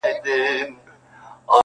که معنا د عقل دا جهان سوزي وي,